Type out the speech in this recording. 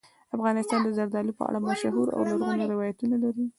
افغانستان د زردالو په اړه مشهور او لرغوني روایتونه لري.